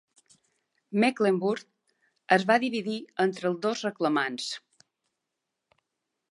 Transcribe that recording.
Mecklenburg es va dividir entre els dos reclamants.